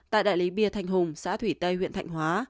tại đại lý bia thanh hùng xã thủy tây huyện thạnh hóa